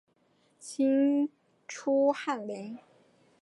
清初翰林。